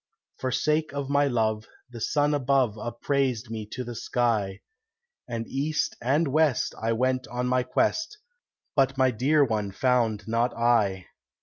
For sake of my love, the sun above Upraised me to the sky, And east and west I went on my quest, But my dear one found not I.